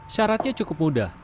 syaratnya cukup mudah